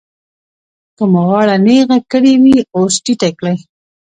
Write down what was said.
که مو غاړه نېغه کړې وي اوس ټیټه کړئ.